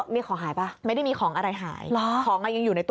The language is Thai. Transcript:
บ้านมันมีของหายป่ะ